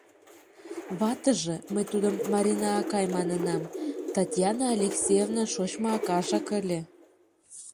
Ватыже, мый тудым Марина акай манынам, Татьяна Алексеевнан шочмо акажак ыле.